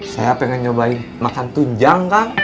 saya pengen nyobain makan tujang kang